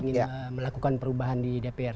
ingin melakukan perubahan di dpr